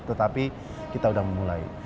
tetapi kita sudah memulai